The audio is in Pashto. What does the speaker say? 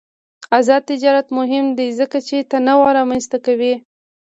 آزاد تجارت مهم دی ځکه چې تنوع رامنځته کوي.